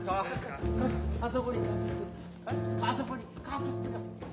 あそこにカフスが。